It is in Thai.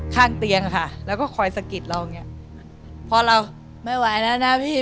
ข้างเตียงค่ะแล้วก็คอยสะกิดเราอย่างเงี้ยพอเราไม่ไหวแล้วนะพี่